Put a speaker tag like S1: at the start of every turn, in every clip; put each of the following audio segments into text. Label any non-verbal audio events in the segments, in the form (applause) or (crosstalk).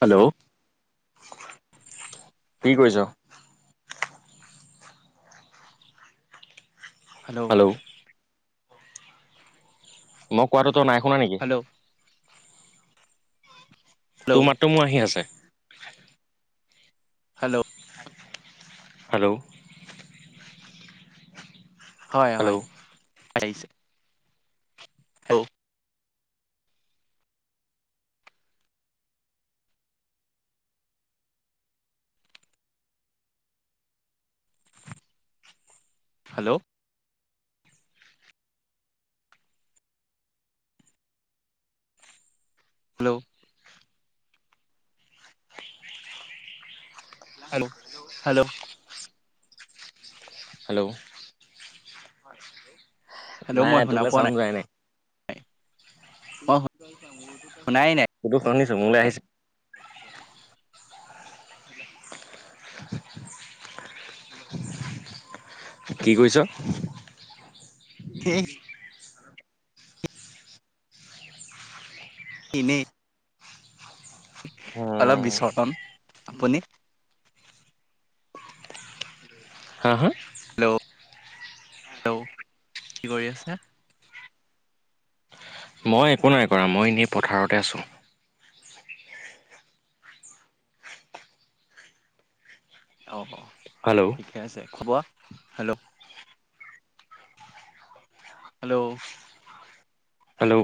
S1: Hello,
S2: কি কৰিছ?
S1: Hello,
S2: মই কোৱাটো তই নাই শুনা নেকি?
S1: লও
S2: তোৰ
S1: হেল্ল'
S2: মাত্ৰ মোৰ আহি আছে।
S1: হেল্ল',
S2: হেল্ল',
S1: হয়। হয়।
S2: হেল্ল'
S1: আহিছে hello, hello, hello, hello, hello,
S2: hello, (unintelligible)
S1: hello মই
S2: নাই।
S1: শুনা
S2: তোৰলে
S1: পোৱা
S2: চাউন যোৱাই নাই।
S1: মই
S2: (unintelligible) (unintelligible)
S1: শুনাই নাই।
S2: (unintelligible) মোলে আহিছে। কি কৈছ?
S1: (unintelligible) ইনে অলপ
S2: উম
S1: বিচৰতন আপুনি?
S2: হা হা?
S1: হেল্ল', হেল্ল, কি কৰি আছা?
S2: মই একো নাই কৰা। মই এনেই পথাৰতে আছোঁ।
S1: অ', হ,
S2: হেল্ল',
S1: ঠিকে আছে। খোৱা hello, hello
S2: hello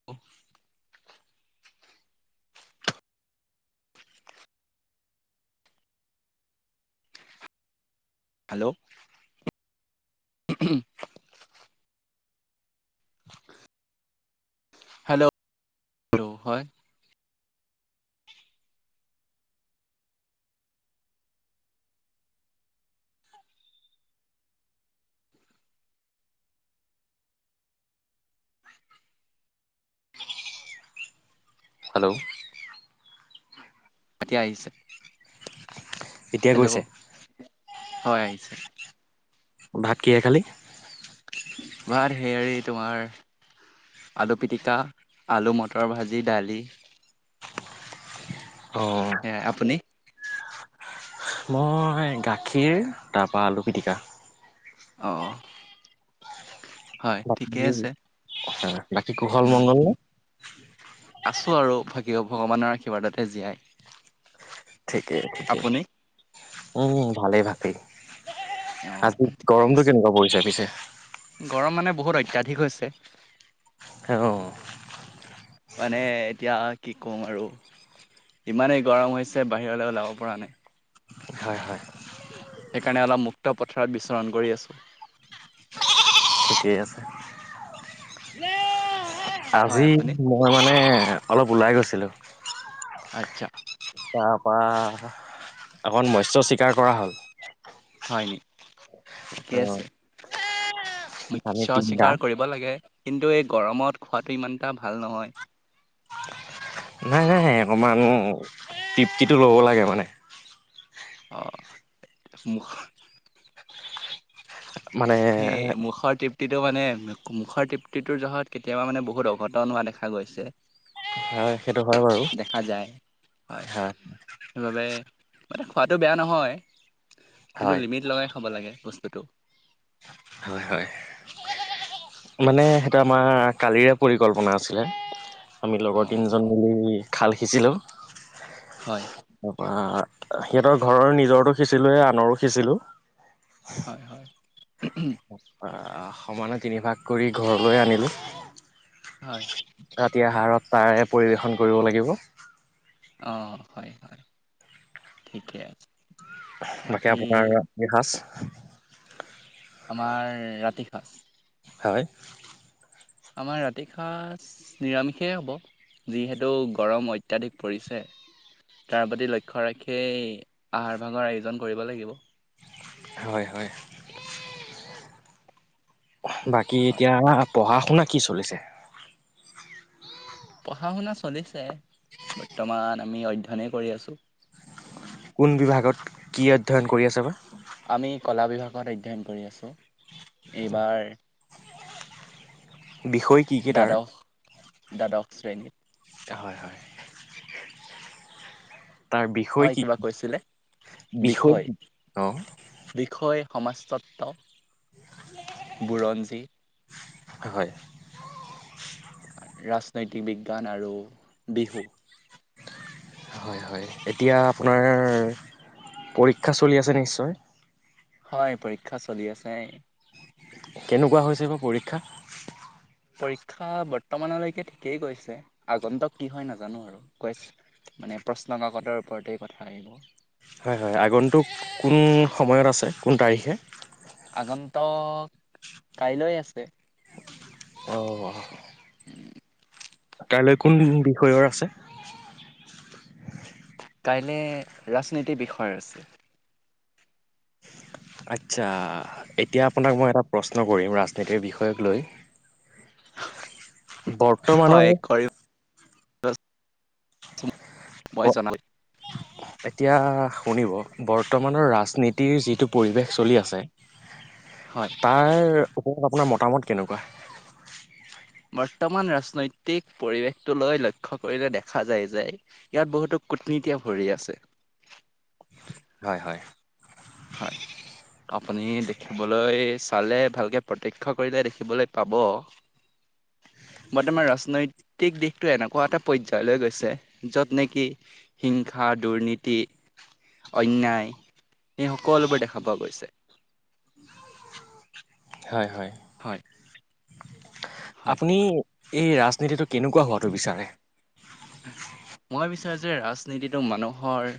S1: (inaudible) hello (inaudible) (unintelligible) hello (unintelligible) হয়
S2: হেল্ল'
S1: এতিয়া আহিছে
S2: এতিয়া
S1: হেল্ল'
S2: গৈছে।
S1: হয় আহিছে
S2: ভাত কিহে খালি?
S1: ভাত হেৰি তোমাৰ আলু পিটিকা আলু মটৰ ভাজি দালি
S2: অ
S1: হে আপুনি
S2: মই গাখীৰ তাপা আলু পিটিকা
S1: অঁ
S2: (unintelligible) বাকী কুশল মংগল নে?
S1: আছোঁ আৰু (unintelligible) ভগৱানৰ আশীৰ্বাদতে জীয়াই আপুনি
S2: (inaudible) আজি গৰমতটো কেনেকুৱা
S1: অঁ ঠিকে
S2: পৰিছে
S1: আছে
S2: পিছে?
S1: গৰম মানে বহুত অত্যাধিক হৈছে
S2: (inaudible)
S1: মানে এতিয়া কি কম আৰু ইমানেই গৰম হৈছে বাহিৰলে ওলাব পৰা নাই
S2: হয় হয়
S1: সেইকাৰণে অলপ মুক্ত পথাৰত বিচৰণ কৰি আছোঁ
S2: (unintelligible) ঠিকেই আছে
S1: হয়
S2: আজি
S1: আপুনি
S2: মই মানে অলপ ওলাই গৈছিলো
S1: আচ্ছা
S2: তাপা অকণ মস্য চিকাৰ কৰা হ'ল
S1: হয় নি ঠিকে
S2: অ'
S1: আছে
S2: আমি
S1: (unintelligible)
S2: তিনিটা
S1: চিকাৰ কৰি (unintelligible) লাগে কিন্তু এই গৰমত খোৱাটো ইমান এটা ভাল নহয়
S2: নাই নাই অকণমান তৃপ্তিটো ল'ব লাগে মানে
S1: অঁ (unintelligible)
S2: মানে
S1: সেই মুখৰ তিপ (unintelligible) মানে মুখৰ তৃপ্তিটোৰ জহত কেতিয়াবা মানে বহুত অঘটন হোৱা দেখা গৈছে
S2: হয় সেইটো হয় বাৰু
S1: দেখা যায়
S2: হয়।
S1: সেইবাবে মানে খোৱাটো বেয়া নহয় কিন্তু
S2: হয়
S1: লিমিট লগাই খাব লাগে বস্তুটো
S2: হয় হয় মানে সেইটো আমাৰ কালিৰে পৰিকল্পনা আছিলে। আমি লগৰ
S1: অঁ
S2: তিনিজন মিলি খাল সিঁচিলোঁ
S1: হয়
S2: তপৰা সিহঁতৰ ঘৰৰ নিজৰতো সিঁচিলোৱে আনৰো সিঁচিলো।
S1: হয় হয় উম
S2: সমানে তিনি ভাগ কৰি ঘৰলৈ আনিলো।
S1: হয়
S2: ৰাতি আহাৰত তাৰে পৰিৱেশন কৰিব লাগিব।
S1: অ হয় হয় ঠিকে আছে।
S2: বাকী আপোনাৰ ইসাঁজ।
S1: আমাৰ ৰাতি সাঁজ।
S2: হয়
S1: আমাৰ ৰাতি সাঁজ নিৰামিষেই হ'ব যিহেতু গৰম অত্যাধিক পৰিছে। তাৰ প্ৰতি লক্ষ্য ৰাখিয়েই আহাৰ ভাগৰ আয়োজন কৰিব লাগিব।
S2: হয় হয় বাকী
S1: হয়
S2: এতিয়া। পঢ়া শুনা কি চলিছে।
S1: পঢ়া শুনা চলিছে বৰ্তমান আমি অধ্যয়নেই কৰি আছোঁ।
S2: কোন বিভাগত কি অধ্যয়ন কৰি আচা বা
S1: আমি কলা বিভাগত অধ্যয়ন কৰি আছোঁ এইবাৰ
S2: বিষয় কি কি তাৰ
S1: দ্বাদশ দ্বাদশ শ্ৰেণীত
S2: হয় হয় তাৰ বিষয়
S1: হয়
S2: কি
S1: কিবা কৈছিলে
S2: বিষয় কি অ
S1: বিষয় সমাজতত্ব বুৰঞ্জী।
S2: হয়
S1: ৰাজনৈতিক বিজ্ঞান আৰু বিহু
S2: হয় হয় এতিয়া আপোনাৰ পৰীক্ষা চলি আছে নিশ্চয়
S1: হয় পৰীক্ষা চলি আছে।
S2: কেনেকুৱা হৈছে বা পৰীক্ষা
S1: পৰীক্ষা বৰ্তমানলৈকে ঠিকেই গৈছে আগন্তক কি হয় নাজানো আৰু কৈ মানে প্ৰশ্নকাকতৰ ওপৰতেই কথা আহিব
S2: হয় হয় আগন্তু কোন সময়ত আছে কোন তাৰিখে।
S1: আগন্তক কাইলৈ আছে
S2: অঁ কাইলৈ কোন বিষয়ৰ আছে।
S1: কাইলে ৰাজনীতিৰ বিষয়ৰ আছে
S2: আচ্ছা এতিয়া আপোনাক মই এটা প্ৰশ্ন কৰিম ৰাজনীতিৰ বিষয়ক লৈ। বৰ্তমানৰ
S1: হয় কৰিব মই জনাল (inaudible)
S2: এতিয়া শুনিব বৰ্তমানৰ ৰাজনীতিৰ যিটো পৰিৱেশ চলি আছে। হয় (inaudible)
S1: হয়।
S2: তাৰ ওপৰত আপোনাৰ মতামত কেনেকুৱা।
S1: বৰ্তমান ৰাজনৈতিক পৰিৱেশটোলৈ লক্ষ্য কৰিলে দেখা যায় যে। ইয়াত বহুতো কূটনীতিয়ে ভৰি আছে।
S2: হয় হয়
S1: হয় আপুনি দেখিবলৈ চালে ভালকৈ প্ৰত্যক্ষ কৰিলে দেখিবলৈ পাব।
S2: (inaudible)
S1: বৰ্তমান ৰাজনৈ তিক দিশটো এনেকুৱা এটা পৰ্যায়লৈ গৈছে, য'ত নেকি হিংসা দুৰ্নীতি অন্যায় এই সকলোবোৰ দেখা পোৱা গৈছে।
S2: হয় হয়।
S1: হয় হয়
S2: আপুনি এই ৰাজনীতিটো কেনেকুৱা হোৱাটো বিচাৰে?
S1: মই বিচাৰো যে ৰাজনীতিটো মানুহৰ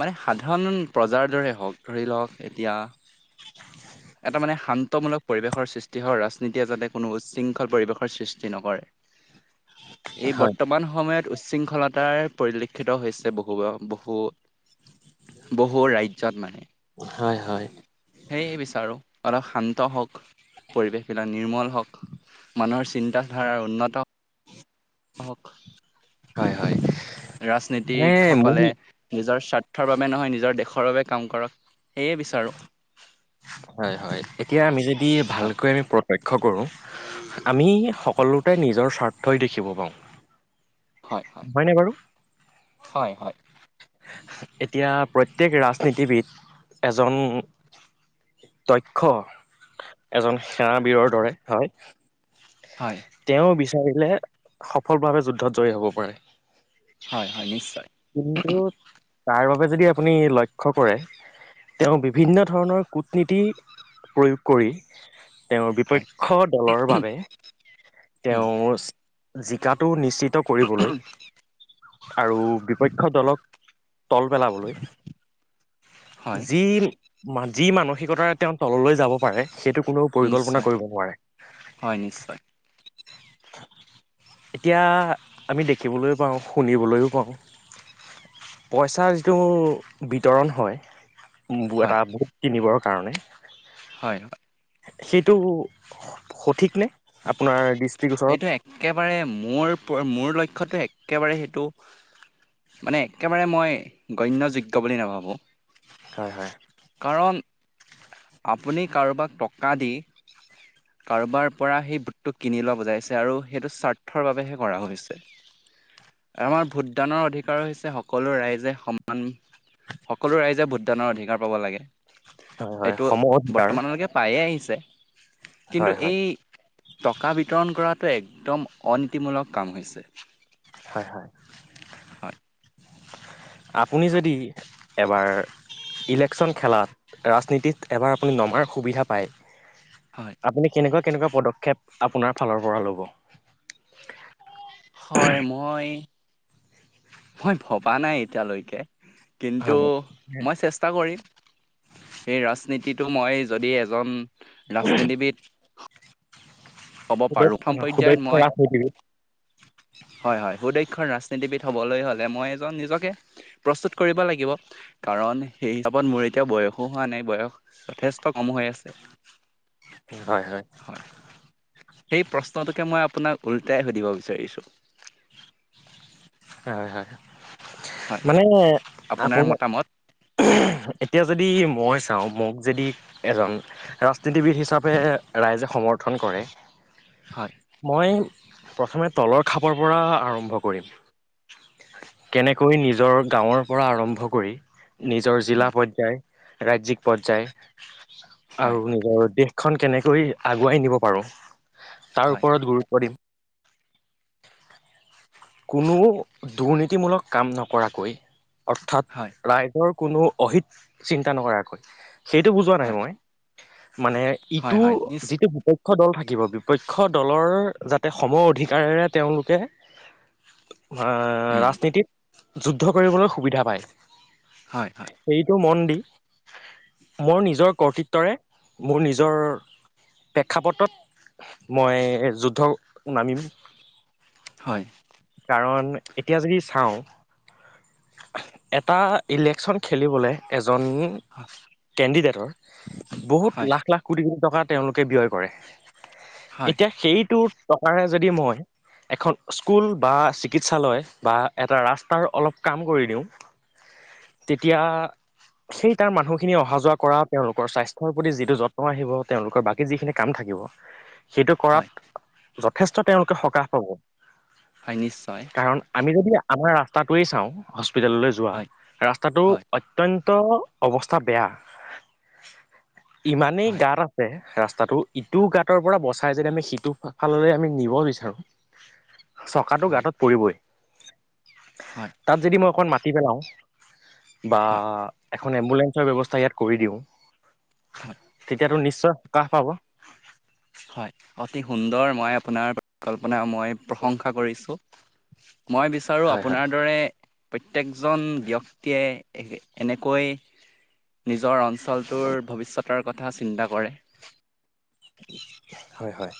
S1: মানে সাধাৰণ প্ৰজাৰ দৰে হওঁক ধৰি লওক এতিয়া
S2: (unintelligible)
S1: এটা মানে শান্তমূলক পৰিৱেশৰ সৃষ্টি হয়, ৰাজনীতিয়ে যাতে কোনো উশৃংখল পৰিৱেশৰ সৃষ্টি নকৰে।
S2: (unintelligible)
S1: এই বৰ্তমান সময়ত উশৃংখলতাৰ পৰিলক্ষিত হৈছে বহু বহু বহু ৰাজ্যত নাই।
S2: হয় হয়।
S1: সেয়ে বিচাৰোঁ অলপ শান্ত হওঁক। পৰিৱেশবিলাক নিৰ্মল হওঁক, মানুহৰ চিন্তাধাৰাৰ উন্নত হওঁক।
S2: হয় হয় মানে
S1: ৰাজনীতিক
S2: মোৰ
S1: সকলে নিজৰ স্বাৰ্থৰ বাবে নহয় নিজৰ দেশৰ বাবে কাম কৰক, সেয়ে বিচাৰোঁ।
S2: হয় হয়, এতিয়া আমি যদি
S1: হয়
S2: ভালকৈ আমি প্ৰত্য ক্ষ কৰোঁ, আমি সকলোতে নিজৰ স্বাৰ্থই দেখিব পাওঁ।
S1: হয়। হয়
S2: হয়নে বাৰু?
S1: হয় হয়।
S2: এতিয়া প্ৰত্যেক ৰাজনীতিবিদ এজন দক্ষ এজন সেনাবীৰৰ দৰে হয়।
S1: হয়
S2: তেওঁ বিচাৰিলে সফল ভাৱে যুদ্ধত জয়ী হ'ব পাৰে।
S1: হয় হয় নিশ্চয়।
S2: কিন্তু তাৰ বাবে যদি আপুনি লক্ষ্য কৰে, তেওঁ বিভিন্ন ধৰণৰ কূটনীতি প্ৰয়োগ কৰি তেওঁৰ
S1: হয়
S2: বিপক্ষ দলৰ বাবে
S1: উম
S2: তেওঁ জিকাটো নিশ্চিত কৰিবলৈ আৰু বিপক্ষ দলক তল পেলাবলৈ,
S1: হয়
S2: যি মা যি মানসিকতাৰে তেওঁ তললৈ যাব পাৰে সেইটো কোনেও পৰিকল্পনা
S1: নিশ্চয়
S2: কৰিব নোৱাৰে।
S1: হয় নিশ্চয়।
S2: এতিয়া আমি দেখিবলৈও পাওঁ শুনিবলৈও পাওঁ। পইচাৰ যিটো বিতৰণ হয়, উম্বু এটা
S1: হয়
S2: ভোট কিনিবৰ কাৰণে
S1: হয়
S2: সেইটো সঠিক নে? আপোনাৰ দিষ্ট
S1: এইটো একেবাৰে মোৰ মোৰ লক্ষ্যত একেবাৰে সেইটো মানে একেবাৰে মই গণ্যযোগ্য বুলি নাভাবোঁ।
S2: হয় হয়।
S1: কাৰণ আপুনি কাৰোবাক টকা দি- কাৰোবাৰ পৰা সেই ভোটটো কিনি লোৱা বুজাইছে আৰু সেইটো স্বাৰ্থৰ বাবেহে কৰা হৈছে।
S2: চে
S1: আমাৰ ভোটদানৰ অধিকাৰ হৈছে সকলো ৰাইজে সমান- সকলো ৰাইজে ভোটদানৰ অধিকাৰ পাব লাগে
S2: হয় হয়
S1: এইটো
S2: সম অধিকাৰ
S1: বৰ্তমানলৈকে- পায়ে আহিছে
S2: হয়
S1: কিন্তু
S2: হয়
S1: এই- টকা বিতৰণ কৰাটো একদম অনীতিমূলক কাম হৈছে।
S2: হয়ঁ, হয়ঁ।
S1: হয়ঁ।
S2: আপুনি যদি এবাৰ- ইলেকশ্যন খেলাত ৰাজনীতিত এবাৰ আপুনি নমাৰ সুবিধা পায়-
S1: হয়ঁ!
S2: আপুনি কেনেকুৱা কেনেকুৱা পদক্ষেপ আপোনাৰ ফালৰ পৰা ল'ব।
S1: হয়ঁ মই। মই ভবা নাই এতিয়ালৈকে কিন্তু
S2: হয়
S1: মই চেষ্টা- কৰিম সেই ৰাজনীতিটো মই যদি এজন ৰাজনীতিবিদ- হ'ব পাৰোঁ প্ৰথম
S2: সুদক্ষিণা
S1: পৰ্যায়ত
S2: সুদক্ষ্য ৰাজনীতি।
S1: হয়ঁ, হয়ঁ, সুদক্ষ ৰাজনীতিবিদ হবলৈ হলে মই এজন নিজকে প্ৰস্তুত কৰিব লাগিব। কাৰণ সেই হিচাপত মোৰ এতিয়া বয়সো হোৱা নাই বয়স যথেষ্ট কম হৈ আছে।
S2: হয়ঁ, হয়ঁ।
S1: হয়ঁ সেই প্ৰশ্নটোোকে মই আপোনাক উল্টাই সুধিব বিচাৰিছো।
S2: হয়ঁ, হয়ঁ,
S1: হয়
S2: মানে
S1: হয় আপোনাৰ
S2: আপুনাক।
S1: মতামত
S2: আহো এতিয়া যদি মই চাওঁ মোক যদি এজন ৰাজনীতিবিদ হিচাপে ৰাইজে সমৰ্থন কৰে।
S1: হয়ঁ।
S2: মই প্ৰথমে তলৰ খাপৰ পৰা আৰম্ভ কৰিম। কেনেকৈ নিজৰ গাঁৱৰ পৰা আৰম্ভ কৰি নিজৰ জিলা
S1: উম
S2: পৰ্যায়- ৰাজ্যিক পৰ্যায়
S1: হয়
S2: আৰু
S1: হয়
S2: নিজৰ দেশ- খন কেনেকৈ আগুৱাই নিব পাৰোঁ তাৰ
S1: হয়
S2: ওপৰত গুৰুত্ব দিম। কোনো দুৰ্নীতিমূলক কাম নকৰাকৈ অৰ্থাৎ
S1: হয়
S2: ৰাইজৰ- কোনো অহিত চিন্তা নকৰাকৈ- সেইটো বুজোৱা নাই
S1: হয়
S2: মই মানে
S1: হয় হয়
S2: ইটোৰ
S1: নিশ্চয়
S2: যিটো- বিপক্ষ দল থাকিব বিপক্ষ দলৰ যাতে সমৰ অধিকাৰেেৰে তেওঁলোকে- আহ
S1: উম
S2: ৰাজনীতিত যুদ্ধ কৰিবলৈ সুবিধা পায়।
S1: হয় হয়
S2: এইটো মন দি- মোৰ নিজৰ কৰ্তৃত্বৰে মোৰ নিজৰ প্ৰেক্ষাপটত। মই যুদ্ধ নামিম।
S1: হয়ঁ।
S2: কাৰণ এতিয়া যদি চাওঁ- এটা ইলেকচন খেলিবলে এজন-
S1: হয়
S2: কেণ্ডিডেটৰ বহুত
S1: হয়
S2: লাখ লাখ কোটি কোটি টকা তেওঁলোকে ব্যয় কৰে।
S1: হয়
S2: এতিয়া সেইটো টকাৰে যদি মই এখন স্কুল- বা চিকিৎসালয় বা এটা ৰাস্তাৰ অলপ কাম কৰি দিওঁ- তেতিয়া- সেই তাৰ মানুহখিনি অহা যোৱা কৰা তেওঁলোকৰ স্বাস্থ্যৰ প্ৰতি যিটো যত্ন আহিব তেওঁলোকৰ বাকী যিখিনি কাম থাকিব। সেইটো
S1: হয়
S2: কৰাত যথেষ্ট তেওঁলোকে সকাহ পাব।
S1: হয় নিশ্চয়।
S2: কাৰণ আমি যদি আমাৰ ৰাস্তাটোৱেই চাওঁ হস্পিতেললৈ যোৱা
S1: হয়
S2: ৰাস্তাটো
S1: হয়
S2: অত্যন্ত অৱস্থা বেয়া ইমানেই
S1: হয়
S2: গাত আছে। ৰাস্তাটো ইটো গাঁতৰ পৰা বচাই যদি আমি সিটো ফাললৈ আমি নিব বিচাৰো। চকাটো
S1: হয়
S2: গাঁত পৰিবই।
S1: হয়
S2: তাত যদি মই অকণ মাতি পেলাওঁ, বা
S1: হয়
S2: এখন এখন এম্বুলেন্ঞ্চৰ ব্যৱস্থা ইয়াত কৰি দিওঁ
S1: হয়
S2: তেতিয়াতো নিশ্চয় সকাহ পাব।
S1: হয় অতি সুন্দৰ মই আপোনাৰ পৰিকল্পনা মই প্ৰশংসা কৰিছোঁ। মই বিচাৰোঁ
S2: হয় হয়
S1: আপোনাৰ দৰে প্ৰত্যেকজন ব্যক্তিয়ে এনেকৈ নিজৰ অঞ্চলটোৰ ভৱিষ্যতৰ কথা চিন্তা কৰে।
S2: হয় হয়।